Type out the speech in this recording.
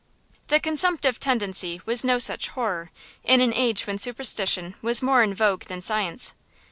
The consumptive tendency was no such horror, in an age when superstition was more in vogue than science.